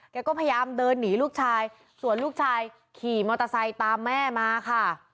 ก็พยายามเดินหนีลูกชายส่วนลูกชายขี่มอเตอร์ไซค์ตามแม่มาค่ะ